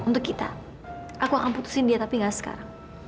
untuk kita aku akan putusin dia tapi gak sekarang